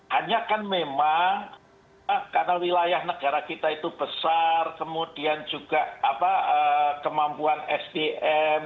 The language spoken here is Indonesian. hanya kan memang karena wilayah negara kita itu besar kemudian juga kemampuan sdm